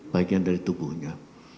bagian dari tubuhnya